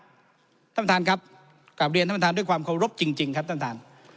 ท่านบางท่านครับกลับเรียนท่านบางท่านด้วยความเคารพจริงครับ